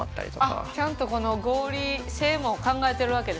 あっちゃんと合理性も考えてるわけですね。